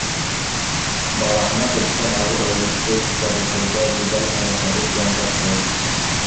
Балаһына төшкән ауыр өлөштө күтәрешеүҙә Гүзәл менән Фәрит яңғыҙ кеүек.